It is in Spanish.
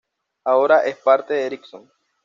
Ahora es parte de Ericsson.